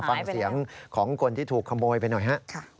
ฟังเสียงของคนที่ถูกขโมยไปหน่อยฮะ